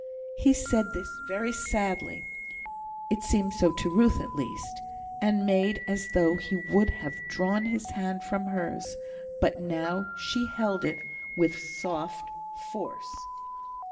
He said this very sadly (it seemed so to Ruth, at least), and made as though he would have drawn his hand from hers, but now she held it with soft force.